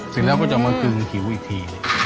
เสร็จแล้วก็จะมากึงผิวอีกที